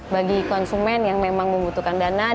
bagi konsumen yang memang membutuhkan dana